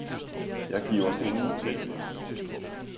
Jeg giver ingen ting!